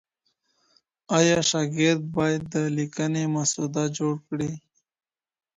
ایا شاګرد باید د ليکني مسوده جوړ کړي؟